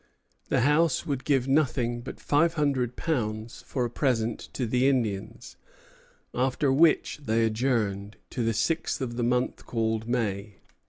The House would give nothing but five hundred pounds for a present to the Indians; after which they adjourned "to the sixth of the month called May."